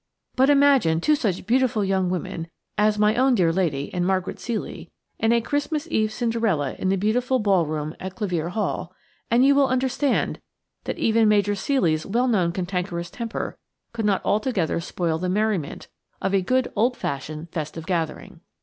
But imagine two such beautiful young women as my own dear lady and Margaret Ceely, and a Christmas Eve Cinderella in the beautiful ball room at Clevere Hall, and you will understand that even Major Ceely's well known cantankerous temper could not altogether spoil the merriment of a good, old fashioned, festive gathering.